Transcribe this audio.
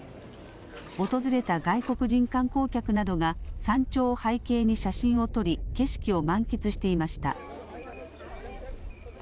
訪れた外国人観光客などが山頂を背景に写真を撮り景色を満喫していました。